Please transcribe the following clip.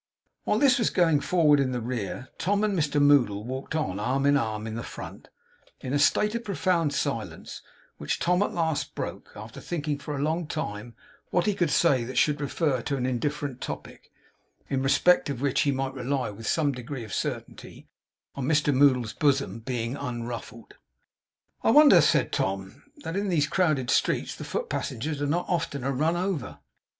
While this was going forward in the rear, Tom and Mr Moddle walked on, arm in arm, in the front, in a state of profound silence, which Tom at last broke; after thinking for a long time what he could say that should refer to an indifferent topic, in respect of which he might rely, with some degree of certainty, on Mr Moddle's bosom being unruffled. 'I wonder,' said Tom, 'that in these crowded streets the foot passengers are not oftener run over.